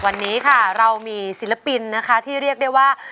วันนี้ค่ะเรามีศิลปินนะคะที่เรียกได้ว่า